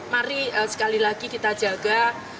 mari sekali lagi kita jaga